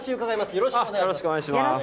よろしくお願いします。